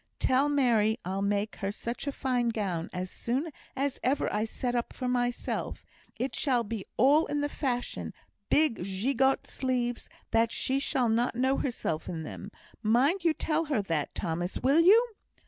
"Tell Mary I'll make her such a fine gown, as soon as ever I set up for myself; it shall be all in the fashion, big gigot sleeves, that she shall not know herself in them! Mind you tell her that, Thomas, will you?"